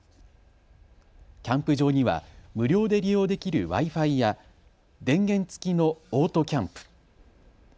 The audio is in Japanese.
キャンプ場には無料で利用できるＷｉーＦｉや電源付きのオートキャンプ。